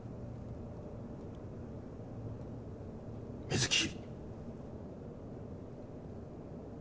水木。